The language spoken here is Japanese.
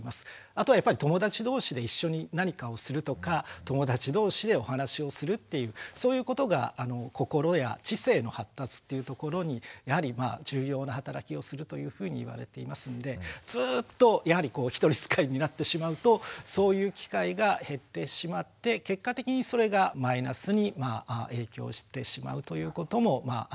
あとはやっぱり友達同士で一緒に何かをするとか友達同士でお話しをするっていうそういうことが心や知性の発達っていうところにやはり重要な働きをするというふうに言われていますのでずっと一人使いになってしまうとそういう機会が減ってしまって結果的にそれがマイナスに影響してしまうということもあるのかなという気がします。